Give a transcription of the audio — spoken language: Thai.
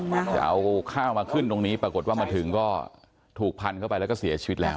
จะเอาข้าวมาขึ้นตรงนี้ปรากฏว่ามาถึงก็ถูกพันเข้าไปแล้วก็เสียชีวิตแล้ว